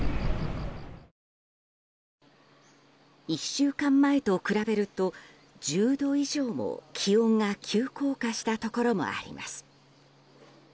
１週間前と比べると１０度以上も気温が急降下したところもあります。